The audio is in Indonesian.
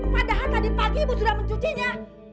padahal tadi pagi ibu sudah mencucinya